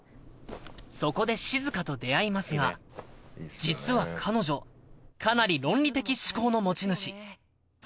そこで閑と出会いますが実は彼女かなり論理的思考の持ち主。